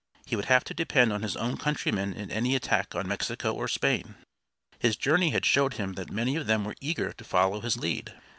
He would have to depend on his own countrymen in any attack on Mexico or Spain. His journey had showed him that many of them were eager to follow his lead.